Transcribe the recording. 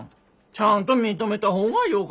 ちゃんと認めた方がよかぞ。